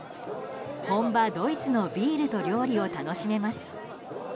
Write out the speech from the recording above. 本場ドイツのビールと料理を楽しめます。